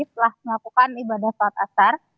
telah melakukan ibadah soal askar